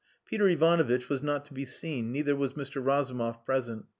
Peter Ivanovitch was not to be seen, neither was Mr. Razumov present.